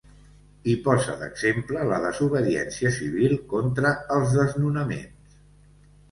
I posa d’exemple la desobediència civil contra els desnonaments.